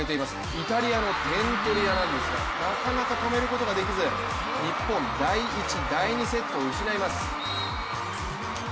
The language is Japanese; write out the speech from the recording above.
イタリアの点取り屋なんですがなかなか止めることができず日本、第１、第２セット失います。